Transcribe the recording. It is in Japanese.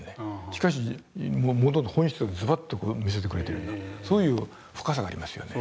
しかしものの本質をズバッと見せてくれてるんだそういう深さがありますよね。